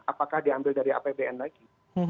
apakah diambil dari apbn lagi